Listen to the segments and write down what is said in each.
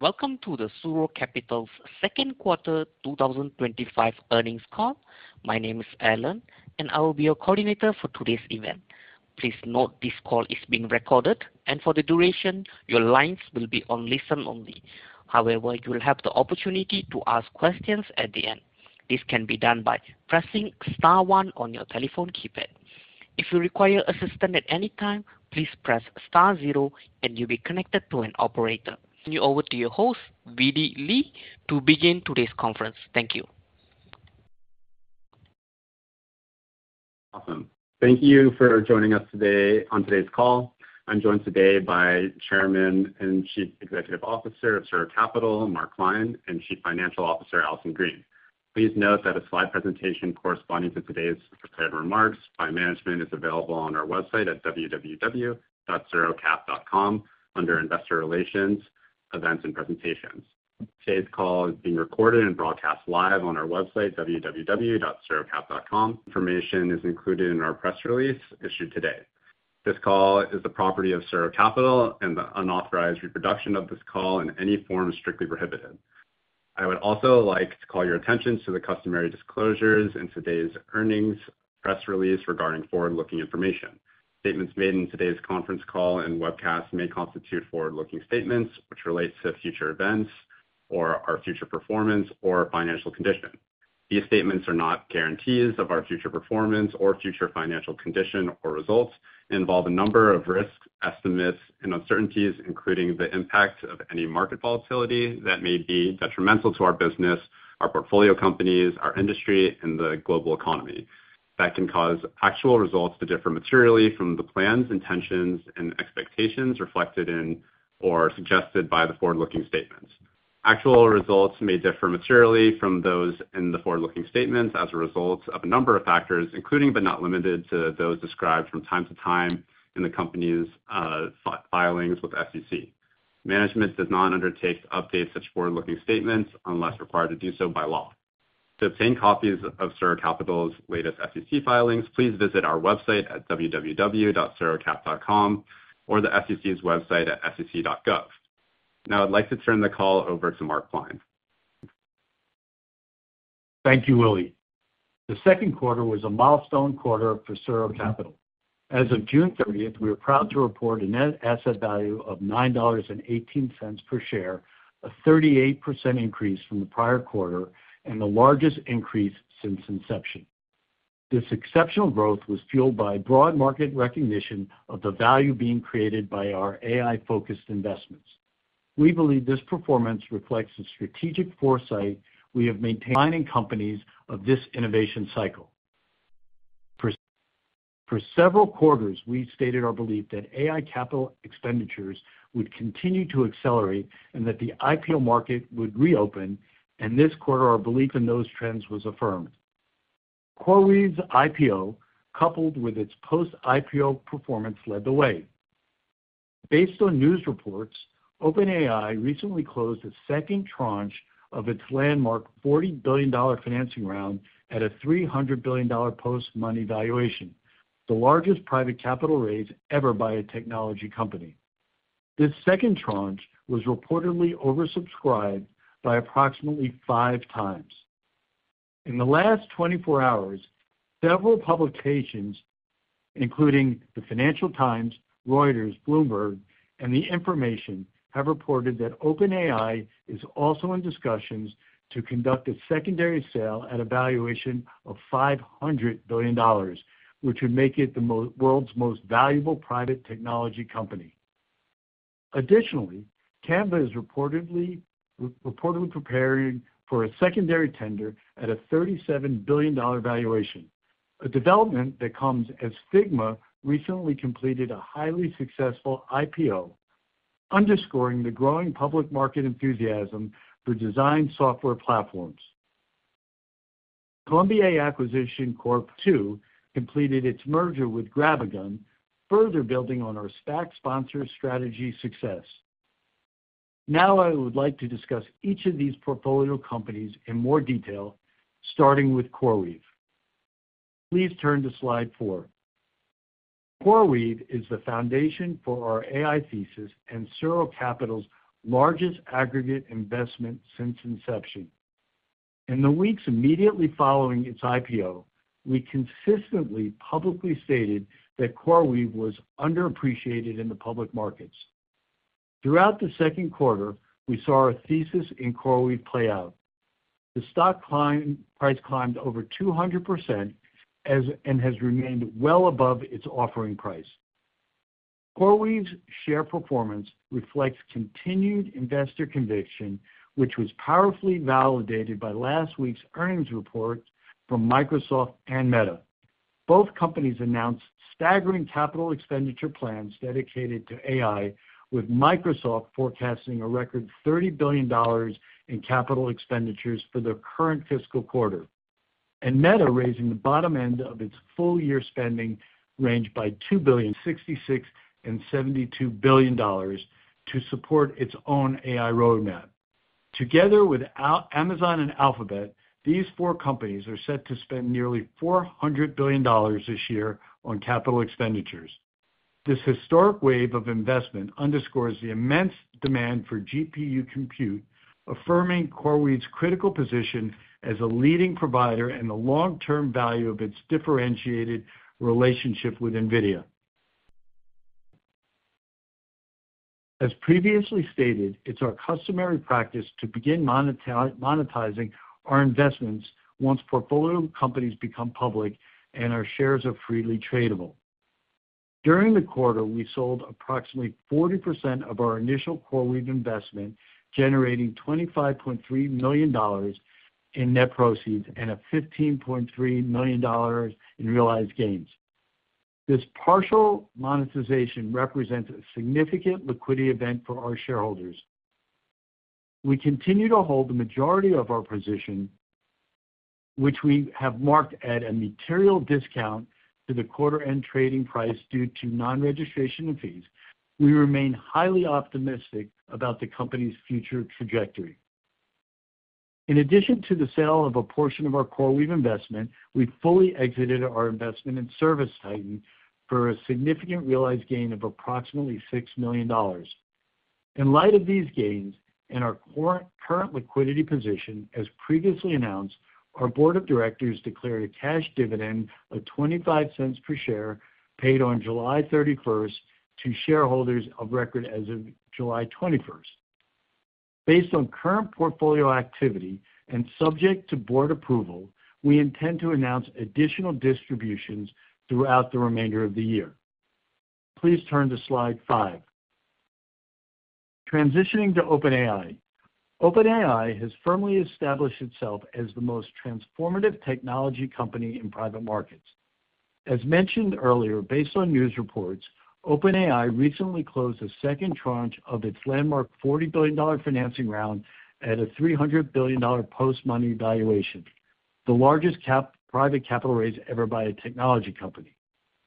Welcome to SuRo Capital's Second Quarter 2025 Earnings Call. My name is Alan, and I will be your coordinator for today's event. Please note this call is being recorded, and for the duration, your lines will be on listen-only. However, you will have the opportunity to ask questions at the end. This can be done by pressing star one on your telephone keypad. If you require assistance at any time, please press star zero, and you'll be connected to an operator. Turning over to your host, Willy Lee, to begin today's conference. Thank you. Awesome. Thank you for joining us today on today's call. I'm joined today by Chairman and Chief Executive Officer of SuRo Capital, Mark Klein, and Chief Financial Officer, Allison Green. Please note that a slide presentation corresponding to today's prepared remarks by management is available on our website at www.surocap.com under Investor Relations, Events, and Presentations. Today's call is being recorded and broadcast live on our website, www.surocap.com. Information is included in our press release issued today. This call is the property of SuRo Capital, and the unauthorized reproduction of this call in any form is strictly prohibited. I would also like to call your attention to the customary disclosures in today's earnings press release regarding forward-looking information. Statements made in today's conference call and webcast may constitute forward-looking statements which relate to future events, our future performance, or financial condition. These statements are not guarantees of our future performance or future financial condition or results, and involve a number of risks, estimates, and uncertainties, including the impact of any market volatility that may be detrimental to our business, our portfolio companies, our industry, and the global economy. That can cause actual results to differ materially from the plans, intentions, and expectations reflected in or suggested by the forward-looking statements. Actual results may differ materially from those in the forward-looking statements as a result of a number of factors, including but not limited to those described from time to time in the company's filings with the SEC. Management does not undertake to update such forward-looking statements unless required to do so by law. To obtain copies of SuRo Capital's latest SEC filings, please visit our website at www.surocap.com or the SEC's website at SEC.gov. Now, I'd like to turn the call over to Mark Klein. Thank you, Willy. The second quarter was a milestone quarter for SuRo Capital. As of June 30, we are proud to report a net asset value of $9.18 per share, a 38% increase from the prior quarter and the largest increase since inception. This exceptional growth was fueled by broad market recognition of the value being created by our AI-focused investments. We believe this performance reflects the strategic foresight we have maintained in companies of this innovation cycle. For several quarters, we stated our belief that AI capital expenditures would continue to accelerate and that the IPO market would reopen. This quarter, our belief in those trends was affirmed. CoreWeave's IPO, coupled with its post-IPO performance, led the way. Based on news reports, OpenAI recently closed the second tranche of its landmark $40 billion financing round at a $300 billion post-money valuation, the largest private capital raise ever by a technology company. This second tranche was reportedly oversubscribed by approximately 5x. In the last 24 hours, several publications, including the Financial Times, Reuters, Bloomberg, and The Information, have reported that OpenAI is also in discussions to conduct a secondary sale at a valuation of $500 billion, which would make it the world's most valuable private technology company. Additionally, Canva is reportedly preparing for a secondary tender at a $37 billion valuation, a development that comes as Figma recently completed a highly successful IPO, underscoring the growing public market enthusiasm for design software platforms. Colombier Acquisition Corp. II completed its merger with GrabAGun, further building on our SPAC-sponsored strategy success. Now, I would like to discuss each of these portfolio companies in more detail, starting with CoreWeave. Please turn to slide four. CoreWeave is the foundation for our AI thesis and SuRo Capital's largest aggregate investment since inception. In the weeks immediately following its IPO, we consistently publicly stated that CoreWeave was underappreciated in the public markets. Throughout the second quarter, we saw our thesis in CoreWeave play out. The stock price climbed over 200% and has remained well above its offering price. CoreWeave's share performance reflects continued investor conviction, which was powerfully validated by last week's earnings report from Microsoft and Meta. Both companies announced staggering capital expenditure plans dedicated to AI, with Microsoft forecasting a record $30 billion in capital expenditures for the current fiscal quarter, and Meta raising the bottom end of its full-year spending range by $2.66 billion and $72 billion to support its own AI roadmap. Together with Amazon and Alphabet, these four companies are set to spend nearly $400 billion this year on capital expenditures. This historic wave of investment underscores the immense demand for GPU compute, affirming CoreWeave's critical position as a leading provider and the long-term value of its differentiated relationship with NVIDIA. As previously stated, it's our customary practice to begin monetizing our investments once portfolio companies become public and our shares are freely tradable. During the quarter, we sold approximately 40% of our initial CoreWeave investment, generating $25.3 million in net proceeds and $15.3 million in realized gains. This partial monetization represents a significant liquidity event for our shareholders. We continue to hold the majority of our position, which we have marked at a material discount to the quarter-end trading price due to non-registration fees. We remain highly optimistic about the company's future trajectory. In addition to the sale of a portion of our CoreWeave investment, we fully exited our investment in ServiceTitan for a significant realized gain of approximately $6 million. In light of these gains and our current liquidity position, as previously announced, our Board of Directors declared a cash dividend of $0.25 per share paid on July 31 to shareholders of record as of July 21. Based on current portfolio activity and subject to Board approval, we intend to announce additional distributions throughout the remainder of the year. Please turn to slide five. Transitioning to OpenAI, OpenAI has firmly established itself as the most transformative technology company in private markets. As mentioned earlier, based on news reports, OpenAI recently closed the second tranche of its landmark $40 billion financing round at a $300 billion post-money valuation, the largest private capital raise ever by a technology company.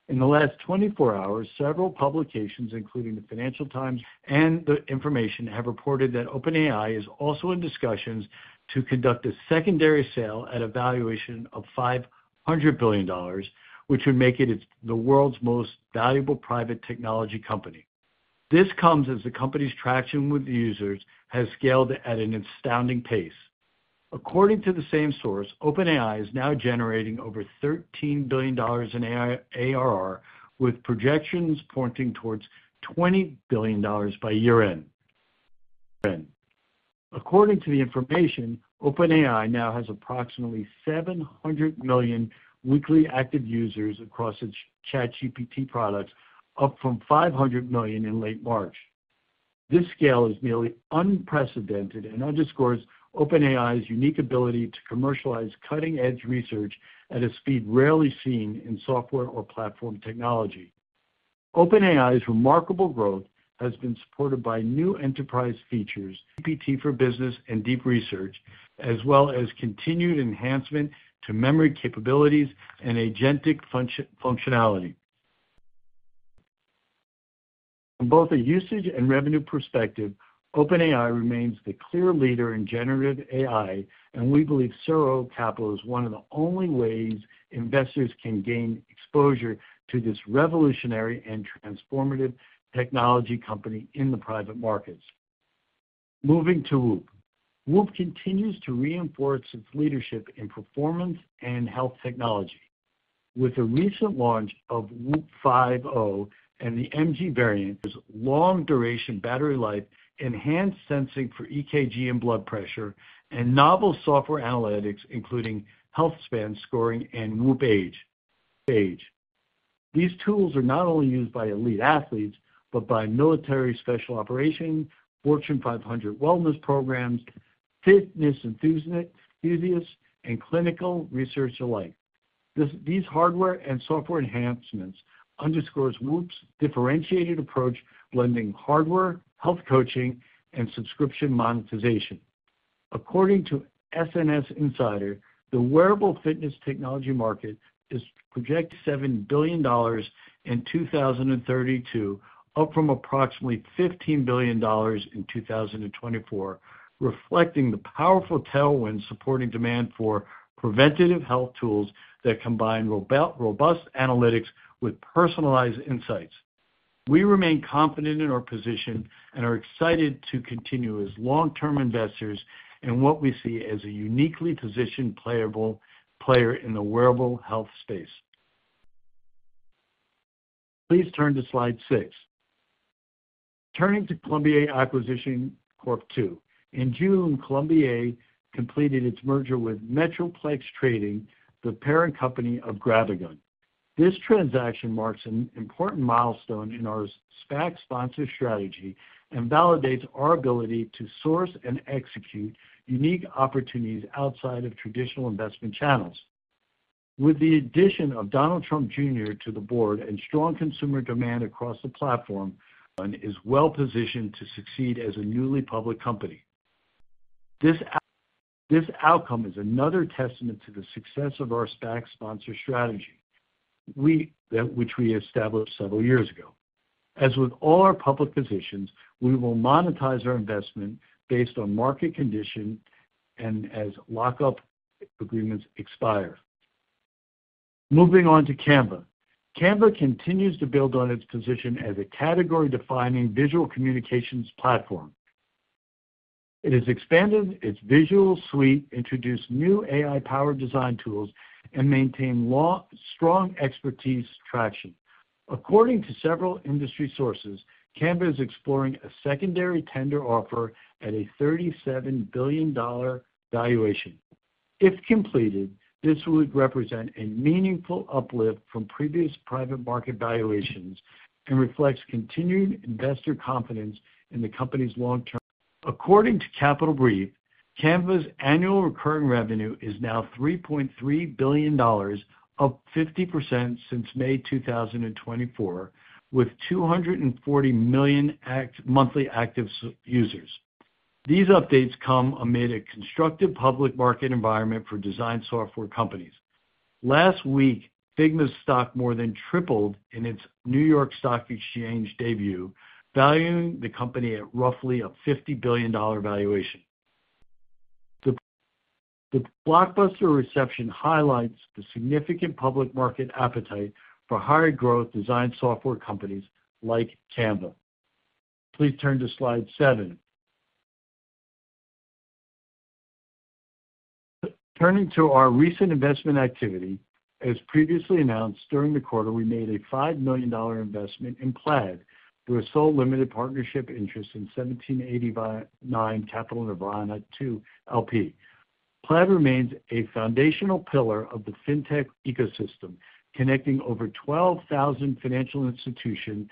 In the last 24 hours, several publications, including the Financial Times and The Information, have reported that OpenAI is also in discussions to conduct a secondary sale at a valuation of $500 billion, which would make it the world's most valuable private technology company. This comes as the company's traction with users has scaled at an astounding pace. According to the same source, OpenAI is now generating over $13 billion in ARR, with projections pointing towards $20 billion by year-end. According to The Information, OpenAI now has approximately 700 million weekly active users across its ChatGPT products, up from 500 million in late March. This scale is nearly unprecedented and underscores OpenAI's unique ability to commercialize cutting-edge research at a speed rarely seen in software or platform technology. OpenAI's remarkable growth has been supported by new enterprise features, GPT for business and deep research, as well as continued enhancement to memory capabilities and agentic functionality. From both a usage and revenue perspective, OpenAI remains the clear leader in generative AI, and we believe SuRo Capital is one of the only ways investors can gain exposure to this revolutionary and transformative technology company in the private markets. Moving to WHOOP, WHOOP continues to reinforce its leadership in performance and health technology. With the recent launch of WHOOP 5.0 and the MG variant, its long-duration battery life, enhanced sensing for EKG and blood pressure, and novel software analytics, including Healthspan scoring and WHOOP Age, these tools are not only used by elite athletes but by military special operations, Fortune 500 wellness programs, fitness enthusiasts, and clinical research alike. These hardware and software enhancements underscore WHOOP's differentiated approach, blending hardware, health coaching, and subscription monetization. According to S&S Insider, the wearable fitness technology market is projected to be $7 billion in 2032, up from approximately $15 billion in 2024, reflecting the powerful tailwind supporting demand for preventative health tools that combine robust analytics with personalized insights. We remain confident in our position and are excited to continue as long-term investors in what we see as a uniquely positioned player in the wearable health space. Please turn to slide six. Turning to Colombier Acquisition Corp. II, in June, Colombier completed its merger with Metroplex Trading, the parent company of GrabAGun. This transaction marks an important milestone in our SPAC-sponsored strategy and validates our ability to source and execute unique opportunities outside of traditional investment channels. With the addition of Donald Trump Jr. to the Board and strong consumer demand across the platform, it is well-positioned to succeed as a newly public company. This outcome is another testament to the success of our SPAC-sponsored strategy, which we established several years ago. As with all our public positions, we will monetize our investment based on market condition and as lockup agreements expire. Moving on to Canva. Canva continues to build on its position as a category-defining digital communications platform. It has expanded its visual suite, introduced new AI-powered design tools, and maintained strong expertise traction. According to several industry sources, Canva is exploring a secondary tender offer at a $37 billion valuation. If completed, this would represent a meaningful uplift from previous private market valuations and reflects continued investor confidence in the company's long-term future. According to Capital Brief, Canva's annual recurring revenue is now $3.3 billion, up 50% since May 2024, with 240 million monthly active users. These updates come amid a constructive public market environment for design software companies. Last week, Figma's stock more than tripled in its New York Stock Exchange debut, valuing the company at roughly a $50 billion valuation. The blockbuster reception highlights the significant public market appetite for higher growth design software companies like Canva. Please turn to slide seven. Turning to our recent investment activity, as previously announced during the quarter, we made a $5 million investment in Plaid, a Sole Limited Partnership interest in 1789 Capital Nirvana II LP. Plaid remains a foundational pillar of the fintech ecosystem, connecting over 12,000 financial institutions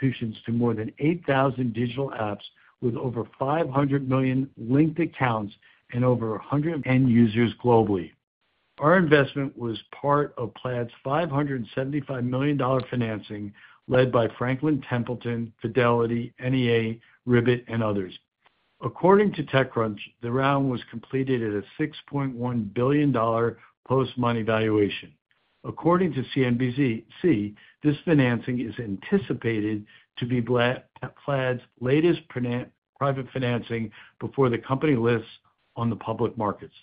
to more than 8,000 digital apps with over 500 million linked accounts and over 110 users globally. Our investment was part of Plaid's $575 million financing, led by Franklin Templeton, Fidelity, NEA, Ribbit, and others. According to TechCrunch, the round was completed at a $6.1 billion post-money valuation. According to CNBC, this financing is anticipated to be Plaid's latest private financing before the company lists on the public markets.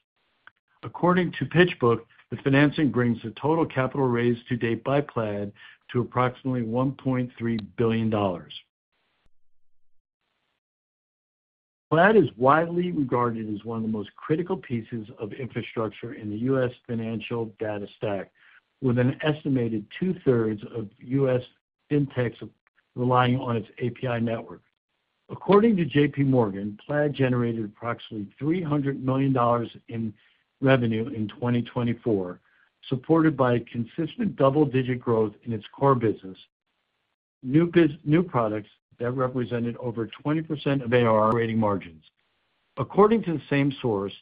According to PitchBook, the financing brings the total capital raised to date by Plaid to approximately $1.3 billion. Plaid is widely regarded as one of the most critical pieces of infrastructure in the U.S. financial data stack, with an estimated 2/3 of U.S. fintechs relying on its API network. According to JPMorgan, Plaid generated approximately $300 million in revenue in 2024, supported by consistent double-digit growth in its core business, new products that represented over 20% of ARR rating margins. According to the same source,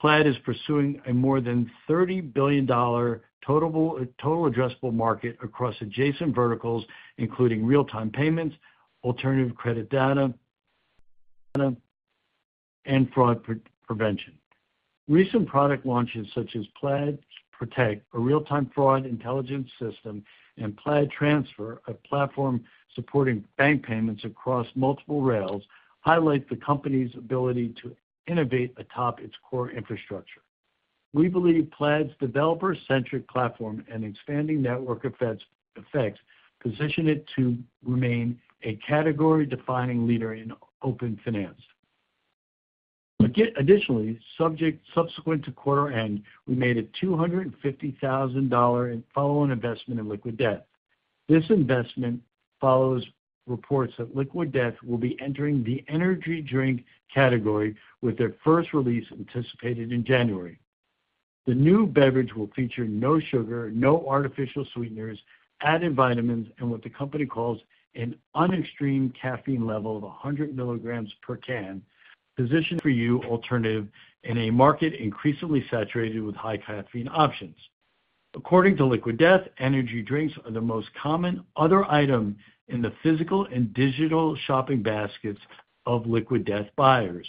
Plaid is pursuing a more than $30 billion total addressable market across adjacent verticals, including real-time payments, alternative credit data, and fraud prevention. Recent product launches such as Plaid Protect, a real-time fraud intelligence system, and Plaid Transfer, a platform supporting bank payments across multiple rails, highlight the company's ability to innovate atop its core infrastructure. We believe Plaid's developer-centric platform and expanding network effects position it to remain a category-defining leader in open finance. Additionally, subsequent to quarter end, we made a $250,000 follow-on investment in Liquid Death. This investment follows reports that Liquid Death will be entering the energy drink category with their first release anticipated in January. The new beverage will feature no sugar, no artificial sweeteners, add-in vitamins, and what the company calls an unextreme caffeine level of 100 mg per can, positioning it as an alternative in a market increasingly saturated with high caffeine options. According to Liquid Death, energy drinks are the most common other item in the physical and digital shopping baskets of Liquid Death buyers.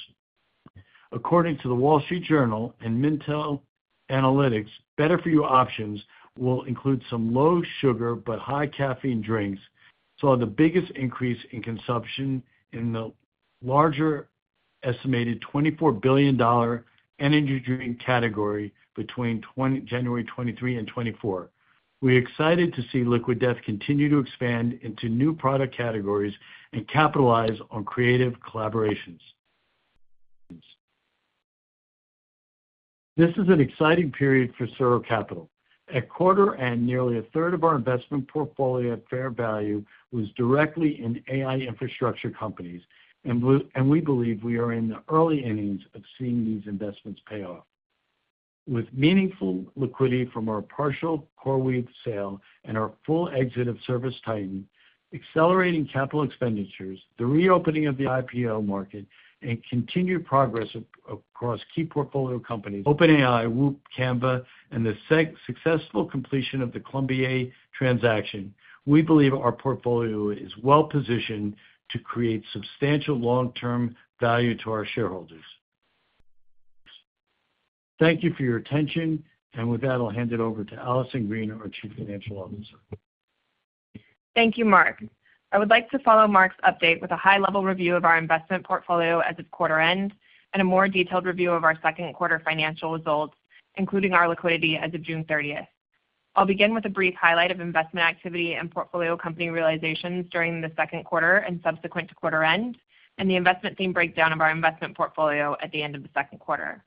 According to The Wall Street Journal and Mintel Analytics, better-for-you options will include some low-sugar but high-caffeine drinks, saw the biggest increase in consumption in the larger estimated $24 billion energy drink category between January 2023 and 2024. We're excited to see Liquid Death continue to expand into new product categories and capitalize on creative collaborations. This is an exciting period for SuRo Capital. At quarter end, nearly 1/3 of our investment portfolio at fair value was directly in AI infrastructure companies, and we believe we are in the early innings of seeing these investments pay off. With meaningful liquidity from our partial CoreWeave sale and our full exit of ServiceTitan, accelerating capital expenditures, the reopening of the IPO market, and continued progress across key portfolio companies, OpenAI, WHOOP, Canva, and the successful completion of the Colombier transaction, we believe our portfolio is well-positioned to create substantial long-term value to our shareholders. Thank you for your attention, and with that, I'll hand it over to Allison Green, our Chief Financial Officer. Thank you, Mark. I would like to follow Mark's update with a high-level review of our investment portfolio as of quarter end and a more detailed review of our second quarter financial results, including our liquidity as of June 30. I'll begin with a brief highlight of investment activity and portfolio company realizations during the second quarter and subsequent to quarter end, and the investment theme breakdown of our investment portfolio at the end of the second quarter.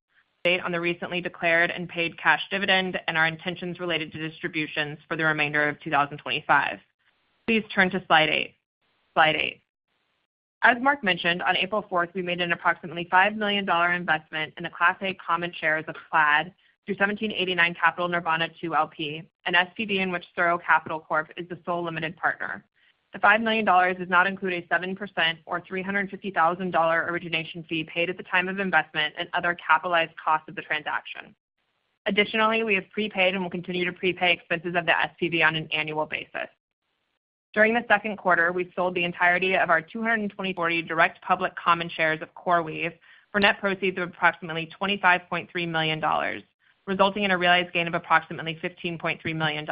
Update on the recently declared and paid cash dividend and our intentions related to distributions for the remainder of 2025. Please turn to slide eight. Slide eight. As Mark mentioned, on April 4, we made an approximately $5 million investment in the Class A common shares of Plaid through 1789 Capital Nirvana II LP, an SPV in which SuRo Capital Corp. is the sole limited partner. The $5 million does not include a 7% or $350,000 origination fee paid at the time of investment and other capitalized costs of the transaction. Additionally, we have prepaid and will continue to prepay expenses of the SPV on an annual basis. During the second quarter, we sold the entirety of our 224 direct public common shares of CoreWeave for net proceeds of approximately $25.3 million, resulting in a realized gain of approximately $15.3 million.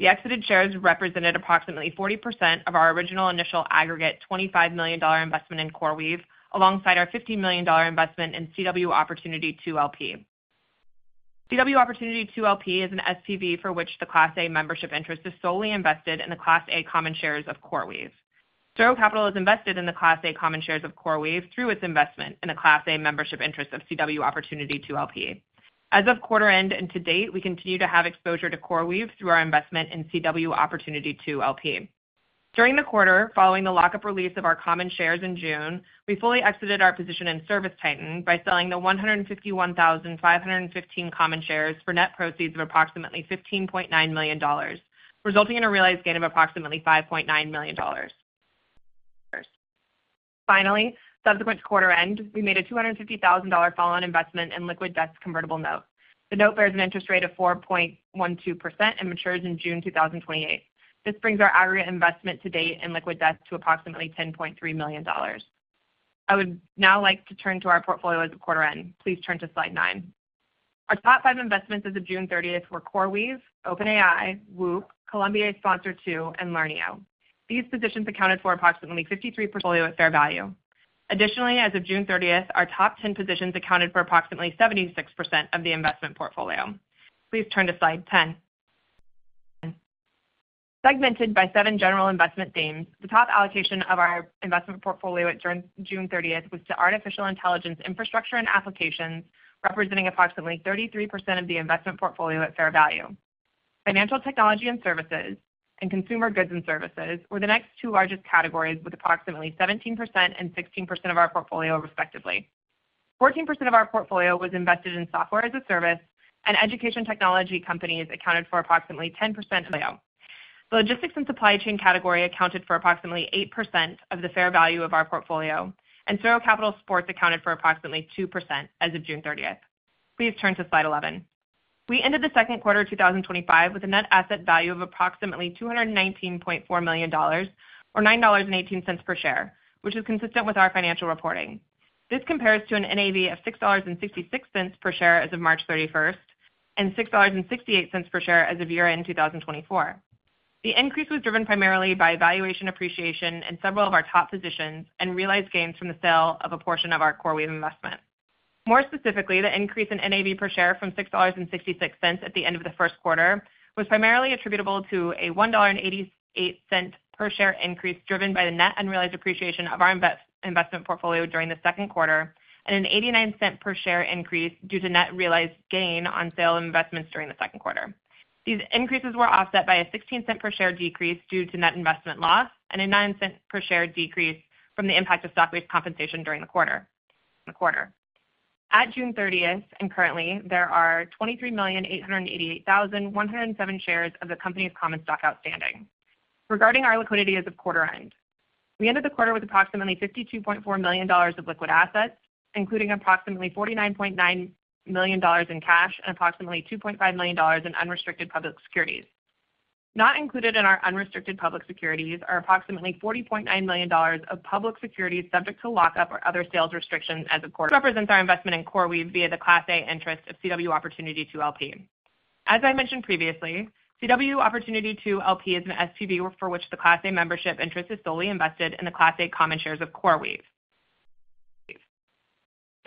The exited shares represented approximately 40% of our original initial aggregate $25 million investment in CoreWeave, alongside our $15 million investment in CW Opportunity 2 LP. CW Opportunity 2 LP is an SPV for which the Class A membership interest is solely invested in the Class A common shares of CoreWeave. SuRo Capital is invested in the Class A common shares of CoreWeave through its investment in the Class A membership interest of CW Opportunity 2 LP. As of quarter end and to date, we continue to have exposure to CoreWeave through our investment in CW Opportunity 2 LP. During the quarter following the lockup release of our common shares in June, we fully exited our position in ServiceTitan by selling the 151,515 common shares for net proceeds of approximately $15.9 million, resulting in a realized gain of approximately $5.9 million. Finally, subsequent to quarter end, we made a $250,000 follow-on investment in Liquid Death's convertible note. The note bears an interest rate of 4.12% and matures in June 2028. This brings our aggregate investment to date in Liquid Death to approximately $10.3 million. I would now like to turn to our portfolio as of quarter end. Please turn to slide nine. Our top five investments as of June 30th were CoreWeave, OpenAI, WHOOP, Colombier Sponsor II, and Learneo. These positions accounted for approximately 53% of the portfolio at fair value. Additionally, as of June 30th, our top 10 positions accounted for approximately 76% of the investment portfolio. Please turn to slide 10. Segmented by seven general investment themes, the top allocation of our investment portfolio during June 30th was to artificial intelligence infrastructure and applications, representing approximately 33% of the investment portfolio at fair value. Financial technology and services and consumer goods and services were the next two largest categories, with approximately 17% and 16% of our portfolio, respectively. 14% of our portfolio was invested in software as a service, and education technology companies accounted for approximately 10% of the layout. The logistics and supply chain category accounted for approximately 8% of the fair value of our portfolio, and SuRo Capital Sports accounted for approximately 2% as of June 30th. Please turn to slide 11. We ended the second quarter of 2025 with a net asset value of approximately $219.4 million or $9.18 per share, which is consistent with our financial reporting. This compares to an NAV of $6.66 per share as of March 31st and $6.68 per share as of year-end 2024. The increase was driven primarily by valuation appreciation in several of our top positions and realized gains from the sale of a portion of our CoreWeave investment. More specifically, the increase in NAV per share from $6.66 at the end of the first quarter was primarily attributable to a $1.88 per share increase driven by the net unrealized appreciation of our investment portfolio during the second quarter and a $0.89 per share increase due to net realized gain on sale investments during the second quarter. These increases were offset by a $0.16 per share decrease due to net investment loss and a $0.09 per share decrease from the impact of stock wage compensation during the quarter. At June 30th, and currently, there are 23,888,107 shares of the company's common stock outstanding. Regarding our liquidity as of quarter end, we ended the quarter with approximately $52.4 million of liquid assets, including approximately $49.9 million in cash and approximately $2.5 million in unrestricted public securities. Not included in our unrestricted public securities are approximately $40.9 million of public securities subject to lockup or other sales restrictions as of quarter. Represents our investment in CoreWeave via the Class A interest of CW Opportunity 2 LP. As I mentioned previously, CW Opportunity 2 LP is an SPV for which the Class A membership interest is solely invested in the Class A common shares of CoreWeave.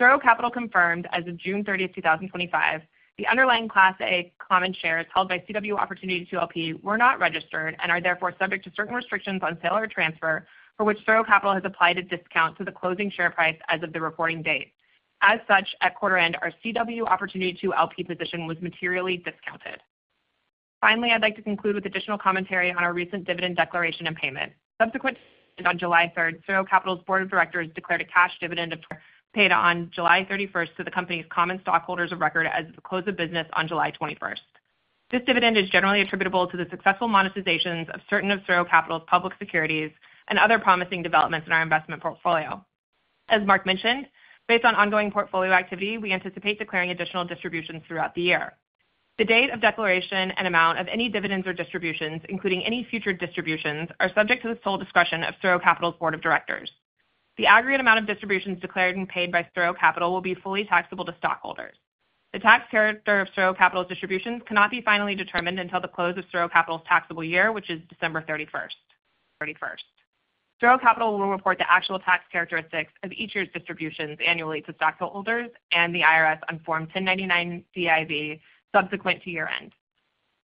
SuRo Capital confirmed as of June 30th, 2025, the underlying Class A common shares held by CW Opportunity 2 LP were not registered and are therefore subject to certain restrictions on sale or transfer, for which SuRo Capital has applied a discount to the closing share price as of the reporting date. As such, at quarter end, our CW Opportunity 2 LP position was materially discounted. Finally, I'd like to conclude with additional commentary on our recent dividend declaration and payment. Subsequent to July 3rd, SuRo Capital's Board of Directors declared a cash dividend paid on July 31st to the company's common stockholders of record as of the close of business on July 21st. This dividend is generally attributable to the successful monetizations of certain of SuRo Capital's public securities and other promising developments in our investment portfolio. As Mark mentioned, based on ongoing portfolio activity, we anticipate declaring additional distributions throughout the year. The date of declaration and amount of any dividends or distributions, including any future distributions, are subject to the sole discretion of SuRo Capital's Board of Directors. The aggregate amount of distributions declared and paid by SuRo Capital will be fully taxable to stockholders. The tax character of SuRo Capital's distributions cannot be finally determined until the close of SuRo Capital's taxable year, which is December 31st. SuRo Capital will report the actual tax characteristics of each year's distributions annually to stockholders and the IRS on Form 1099-DIV subsequent to year-end.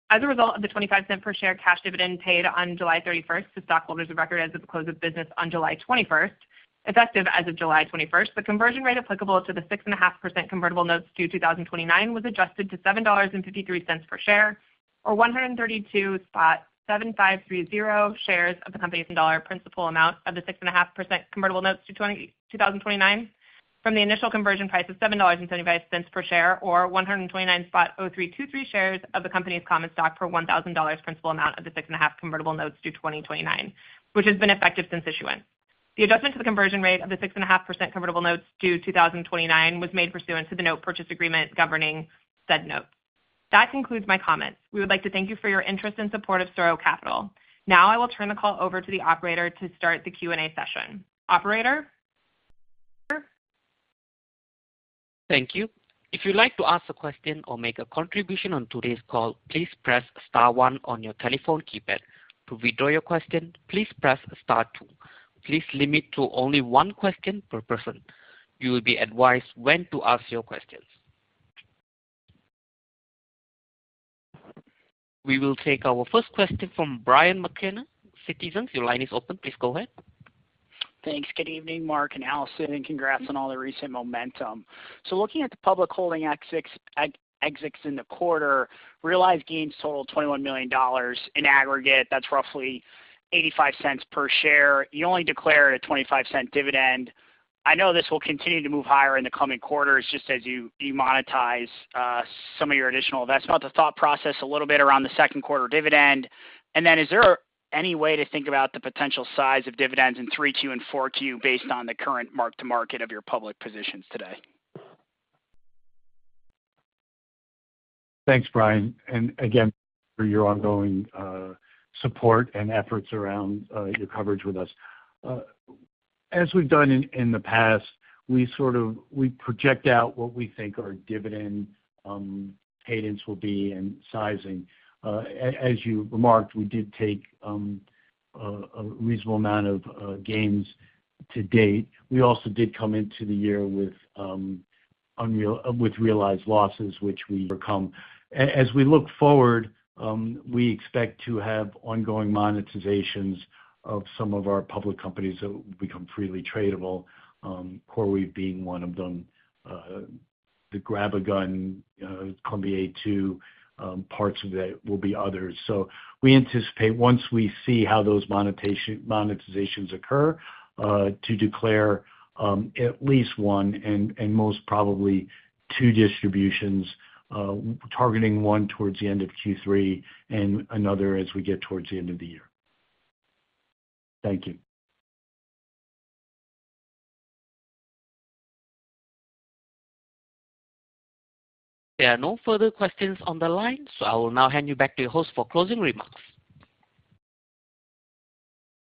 As a result of the $0.25 per share cash dividend paid on July 31 to stockholders of record as of the close of business on July 21, effective as of July 21, the conversion rate applicable to the 6.5% convertible notes due 2029 was adjusted to $7.53 per share or 132.7530 shares of the company's principal amount of the 6.5% convertible notes due 2029 from the initial conversion price of $7.75 per share or 129.0323 shares of the company's common stock per $1,000 principal amount of the 6.5% convertible notes due 2029, which has been effective since issuance. The adjustment to the conversion rate of the 6.5% convertible notes due 2029 was made pursuant to the note purchase agreement governing said note. That concludes my comment. We would like to thank you for your interest and support of SuRo Capital. Now I will turn the call over to the operator to start the Q&A session. Operator? Thank you. If you'd like to ask a question or make a contribution on today's call, please press star one on your telephone keypad. To withdraw your question, please press star two. Please limit to only one question per person. You will be advised when to ask your questions. We will take our first question from Brian McKenna, Citizens. Your line is open. Please go ahead. Thanks. Good evening, Mark and Allison. Congrats on all the recent momentum. Looking at the public holding exits in the quarter, realized gains total $21 million in aggregate. That's roughly $0.85 per share. You only declared a $0.25 dividend. I know this will continue to move higher in the coming quarters just as you monetize some of your additional investment. I'd like to think about the thought process a little bit around the second quarter dividend. Is there any way to think about the potential size of dividends in 3Q and 4Q based on the current mark-to-market of your public positions today? Thanks, Brian. Again, for your ongoing support and efforts around your coverage with us. As we've done in the past, we sort of project out what we think our dividend payments will be and sizing. As you remarked, we did take a reasonable amount of gains to date. We also did come into the year with realized losses, which we overcome. As we look forward, we expect to have ongoing monetizations of some of our public companies that will become freely tradable, CoreWeave being one of them. The GrabAGun, Colombier II, parts of that will be others. We anticipate once we see how those monetizations occur to declare at least one and most probably two distributions, targeting one towards the end of Q3 and another as we get towards the end of the year. Thank you. There are no further questions on the line, so I will now hand you back to your host for closing remarks.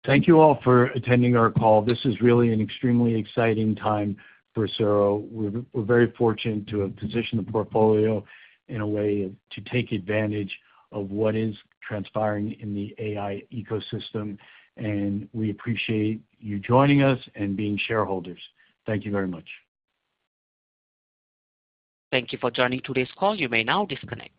Thank you all for attending our call. This is really an extremely exciting time for SuRo. We're very fortunate to have positioned the portfolio in a way to take advantage of what is transpiring in the AI ecosystem, and we appreciate you joining us and being shareholders. Thank you very much. Thank you for joining today's call. You may now disconnect.